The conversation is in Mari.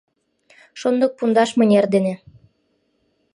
Шондык пундаш мынер дене